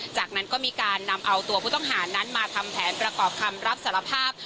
จากนั้นก็มีการนำเอาตัวผู้ต้องหานั้นมาทำแผนประกอบคำรับสารภาพ